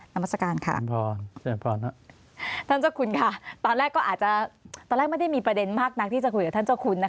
นามัศกาลค่ะท่านเจ้าคุณค่ะตอนแรกก็อาจจะตอนแรกไม่ได้มีประเด็นมากนักที่จะคุยกับท่านเจ้าคุณนะคะ